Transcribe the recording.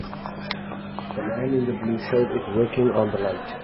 The man in the blue shirt is working on the light.